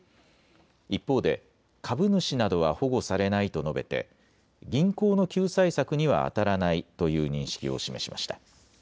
一方で株主などは保護されないと述べて銀行の救済策にはあたらないという認識を示しました。